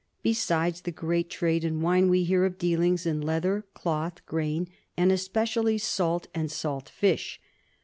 Besides the great trade in wine we hear of dealings in leather, cloth, grain, and especially salt and salt fish.